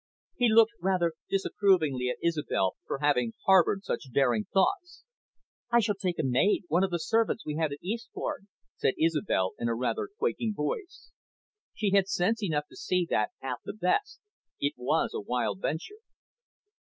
He looked rather disapprovingly at Isobel for having harboured such daring thoughts. "I shall take a maid, one of the servants we had at Eastbourne," said Isobel, in a rather quaking voice. She had sense enough to see that, at the best, it was a wild venture.